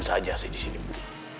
saja saya di sini bu